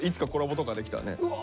うわ！